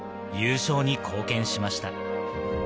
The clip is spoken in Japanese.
優勝に貢献しました。